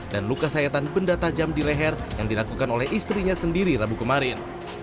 dan luka sayatan benda tajam di reher yang dilakukan oleh istrinya sendiri rabu kemarin